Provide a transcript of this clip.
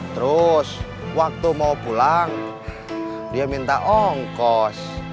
terus waktu mau pulang dia minta ongkos